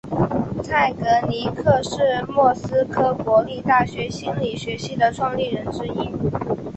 蔡格尼克是莫斯科国立大学心理学系的创立人之一。